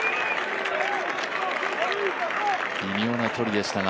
微妙な距離でしたが。